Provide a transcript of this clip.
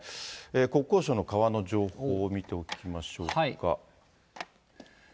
国交省の川の情報を見ておきましょうか。